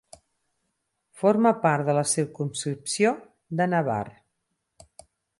Forma part de la circumscripció d'Anabar.